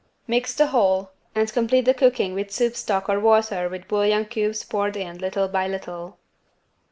Mix the whole and complete the cooking with soup stock or water with bouillon cubes poured in little by little.